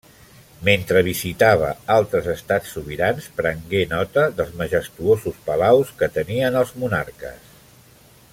Mentre visitava altres estats sobirans, prengué nota dels majestuosos palaus que tenien els monarques.